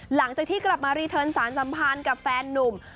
หลังจากที่กลับมารีเทิร์นสารสัมพันธ์กับแฟนนุ่ม